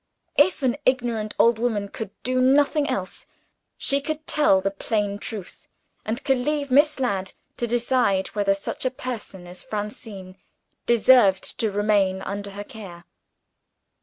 If an ignorant old woman could do nothing else, she could tell the plain truth, and could leave Miss Ladd to decide whether such a person as Francine deserved to remain under her care.